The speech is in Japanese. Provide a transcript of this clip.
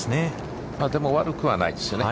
でも、悪くはないですよね。